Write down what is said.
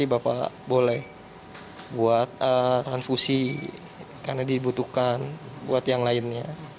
bapak boleh buat transfusi karena dibutuhkan buat yang lainnya